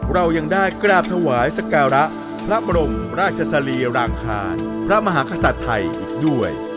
เรายังได้กราบถวายสการะพระบรมราชสรีรางคารพระมหากษัตริย์ไทยอีกด้วย